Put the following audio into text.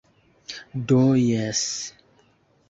Do jes...